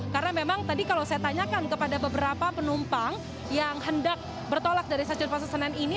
karena memang tadi kalau saya tanyakan kepada beberapa penumpang yang hendak bertolak dari stasiun pasal senin ini